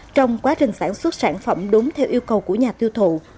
trong quá trình sản xuất sản phẩm đúng theo yêu cầu của nhà tiêu thụ